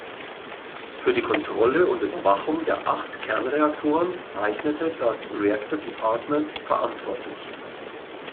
Für die Kontrolle und Überwachung der acht Kernreaktoren zeichnete das "Reactor Department" verantwortlich.